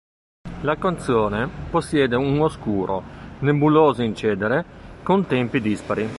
La canzone possiede un oscuro, nebuloso incedere, con tempi dispari.